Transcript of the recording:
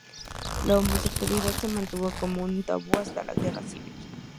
La homosexualidad se mantuvo como un tabú hasta la Guerra Civil.